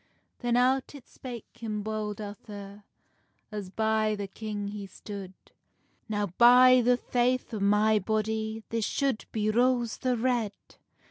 Then out it spake him Bold Arthur, As by the king he stood: "Now, by the faith o my body, This shoud be Rose the Red!"